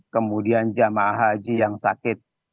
kemudian jemaah haji yang sakit